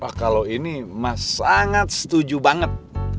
wah kalau ini mas sangat setuju banget